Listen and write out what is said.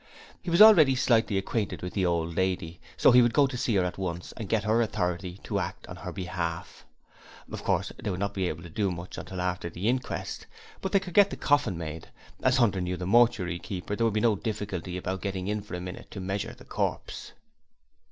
He was already slightly acquainted with the old lady, so he would go to see her at once and get her authority to act on her behalf. Of course, they would not be able to do much until after the inquest, but they could get the coffin made as Hunter knew the mortuary keeper there would be no difficulty about getting in for a minute to measure the corpse.